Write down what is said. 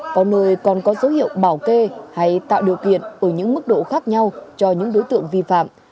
có nơi còn có dấu hiệu bảo kê hay tạo điều kiện ở những mức độ khác nhau cho những đối tượng vi phạm